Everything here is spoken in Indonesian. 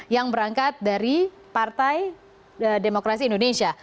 yang berangkat dari partai demokrasi indonesia